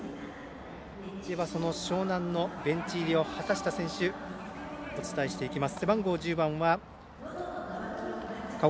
では、その樟南のベンチ入りを果たした選手お伝えしていきます。